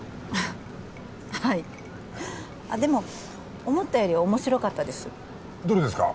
はいあっでも思ったより面白かったですどれですか？